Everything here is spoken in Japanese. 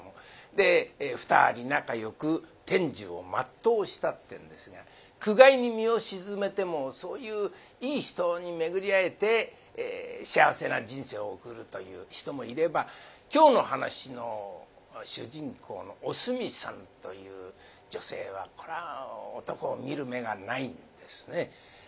で２人仲よく天寿を全うしたってんですが苦界に身を沈めてもそういういい人に巡り会えて幸せな人生を送るという人もいれば今日の噺の主人公のおすみさんという女性はこれは男を見る目がないんですね。